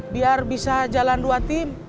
biar bisa jalan dua tim